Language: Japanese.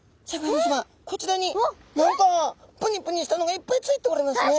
こちらに何かプニプニしたのがいっぱいついておりますね。